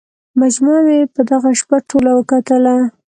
مجموعه مې په دغه شپه ټوله وکتله.